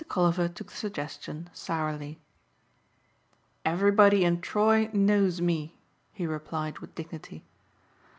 Mr. Colliver took the suggestion sourly. "Everybody in Troy knows me," he replied with dignity.